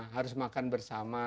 harus makan bersama